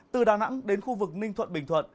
từ đà nẵng đến khu vực ninh thuận bình thuận